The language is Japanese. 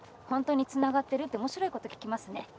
「本当につながってる？」って面白いこと聞きますね。